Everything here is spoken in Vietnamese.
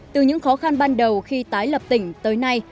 từ những khó khăn ban đầu khi tái lập tỉnh tới nay